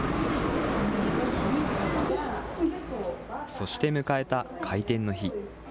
そして迎えた開店の日。